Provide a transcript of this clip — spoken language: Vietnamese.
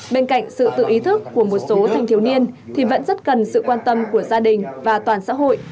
bên cạnh sự tự ý thức của một số thanh thiếu niên thì vẫn rất cần sự quan tâm của gia đình và toàn xã hội